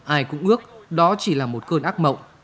ai cũng ước đó chỉ là một cơn ác mộng